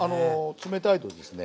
冷たいとですね